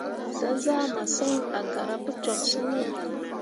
Zah zaa masǝŋ a gara pu toksyiŋ ah.